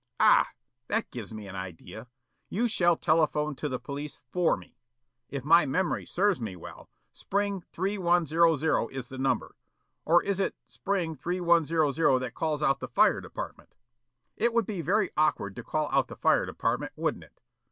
"Ah! That gives me an idea. You shall telephone to the police for me. If my memory serves me well, Spring 3100 is the number. Or is it Spring 3100 that calls out the fire department? It would be very awkward to call out the fire department, wouldn't it?